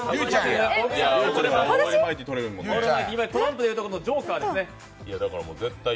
トランプでいうところのジョーカーですね。